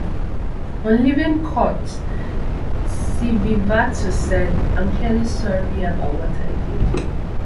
On leaving court Sivivatu said "I'm clearly sorry about what I did".